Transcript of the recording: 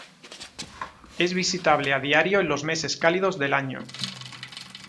Es visitable a diario en los meses cálidos del año.